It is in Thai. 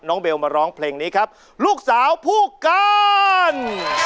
เบลมาร้องเพลงนี้ครับลูกสาวผู้การ